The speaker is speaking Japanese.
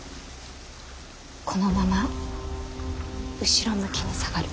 このまま後ろ向きに下がる。